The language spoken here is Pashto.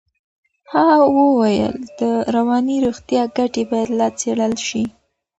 ها وویل د رواني روغتیا ګټې باید لا څېړل شي.